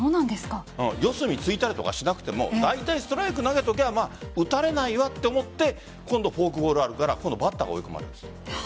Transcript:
四角を突いたりとかしなくてもだいたいストライクを投げておけば打たれないわと思ってフォークボールあるからバッターが追い込まれる。